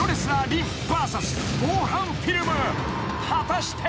［果たして］